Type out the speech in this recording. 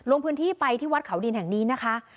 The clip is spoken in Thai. ลงพื้นที่ไปที่วัดเขาดินแห่งนี้นะคะ